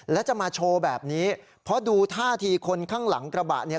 และจะมาโชว์แบบนี้เพราะดูท่าทีคนข้างหลังกระบะเนี่ย